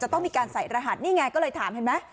ต้องมีการใส่รหัสนี่ไงก็เลยถามเห็นไหม